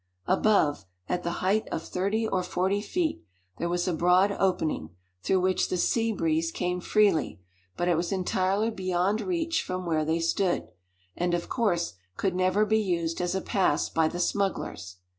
Above, at the height of thirty or forty feet, there was a broad opening, through which the sea breeze came freely, but it was entirely beyond reach from where they stood, and, of course, could never be used as a pass by the smugglers.